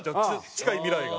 近い未来が。